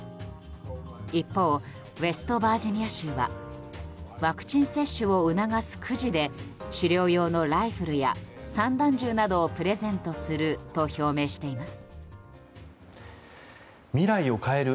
一方、ウェストバージニア州はワクチン接種を促すくじで狩猟用のライフルや散弾銃などをプレゼントすると表明しています。